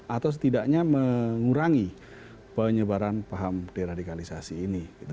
atau setidaknya mengurangi penyebaran paham deradikalisasi ini